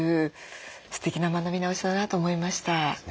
すてきな学び直しだなと思いました。